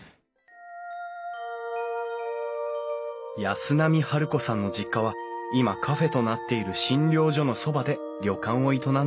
安波治子さんの実家は今カフェとなっている診療所のそばで旅館を営んでいました。